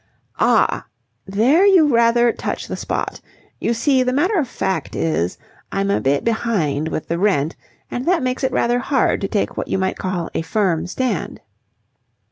"Ah! There you rather touch the spot. You see, the fact of the matter is, I'm a bit behind with the rent, and that makes it rather hard to take what you might call a firm stand."